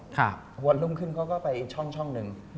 หัวลุ่มขึ้นเขาก็ไปอีกช่องหนึ่ง